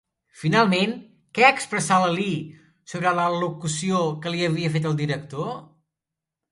Finalment, què expressà Lalí sobre l'al·locució que li havia fet el director?